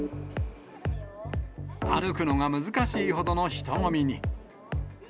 歩くのが難しいほどの人混みに。